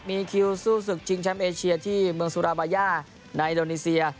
มีคิวสู้ศึกชิงแชมป์เอเชียที่เมืองสุราบาย่าในอินโดนีเซีย